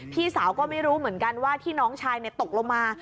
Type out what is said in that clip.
พี่สาวก็ไม่รู้เหมือนกันว่าที่น้องชายตกลงมา